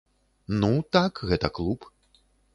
Ну, так, гэта клуб.